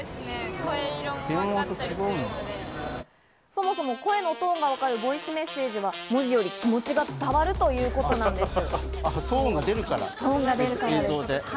そもそも声のトーンが分かるボイスメッセージは文字よりも気持ちが伝わるということなんです。